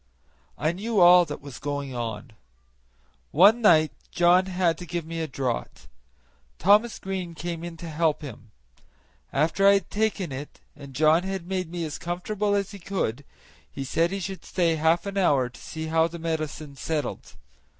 I knew all that was going on. One night John had to give me a draught; Thomas Green came in to help him. After I had taken it and John had made me as comfortable as he could, he said he should stay half an hour to see how the medicine settled.